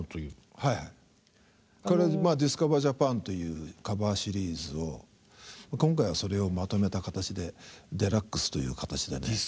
「ＤＩＳＣＯＶＥＲＪＡＰＡＮ」というカバーシリーズを今回はそれをまとめた形でデラックスという形でね。